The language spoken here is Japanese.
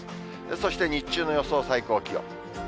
そして、日中の予想最高気温。